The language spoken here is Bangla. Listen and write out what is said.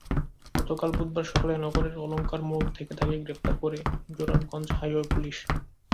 গতকাল বুধবার সকালে নগরের অলঙ্কারমোড় থেকে তাঁকে গ্রেপ্তার করে জোরারগঞ্জ হাইওয়ে পুলিশ।